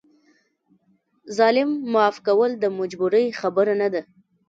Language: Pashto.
ظالم معاف کول د مجبورۍ خبره نه ده.